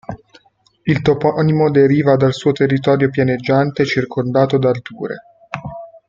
Il toponimo deriva dal suo territorio pianeggiante circondato da alture.